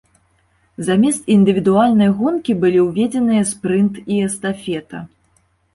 Замест індывідуальнай гонкі былі ўведзеныя спрынт і эстафета.